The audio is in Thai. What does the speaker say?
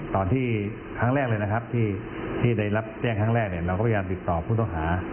ตอนที่ได้รับแจ้งครั้งแรกเราก็พยายามติดต่อผู้ต้องหา